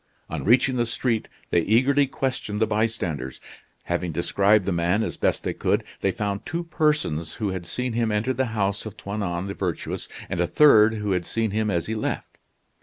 On reaching the street, they eagerly questioned the bystanders. Having described the man as best they could, they found two persons who had seen him enter the house of Toinon the Virtuous, and a third who had seen him as he left.